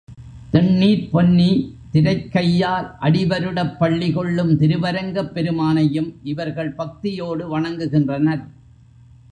தெண்ணீர்ப் பொன்னி திரைக் கையால் அடிவருடப் பள்ளி கொள்ளும் திருவரங்கப் பெருமானை யும் இவர்கள் பக்தியோடு வணங்கு கின்றனர்.